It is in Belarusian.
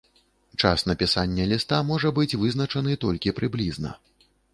Час напісання ліста можа быць вызначаны толькі прыблізна.